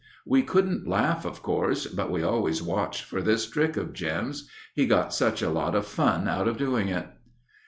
We couldn't laugh of course, but we always watched for this trick of Jim's. He got such a lot of fun out of doing it.